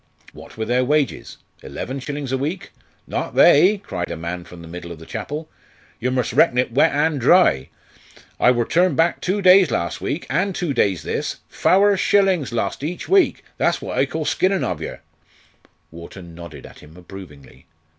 What were their wages? eleven shillings a week? "Not they!" cried a man from the middle of the chapel. "Yer mus' reckon it wet an' dry. I wor turned back two days las' week, an' two days this, fower shillin' lost each week that's what I call skinnin' ov yer." Wharton nodded at him approvingly.